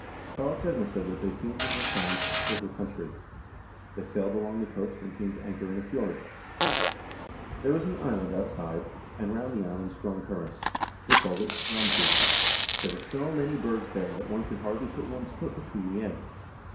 Karlsevne said that they seemed to have found a fertile country. They sailed along the coast and came to anchor in a fjord." " There was an island outside, and round the island strong currents. They called it 'Straumsey.' There were so many birds there that one could hardly put one's foot between the eggs.